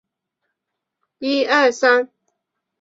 其余歌手以姓氏开头字母排列。